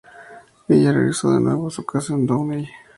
Ella regresó de nuevo a su casa en Downey.